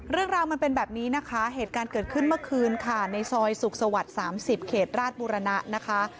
เรื่องราวมันเป็นแบบนี้นะคะเหตุการณ์เกิดขึ้นเมื่อคืนค่ะในซอยสุขสวรรค์๓๐เขตราชบุรณะนะคะ